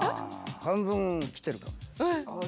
半分きてるかも。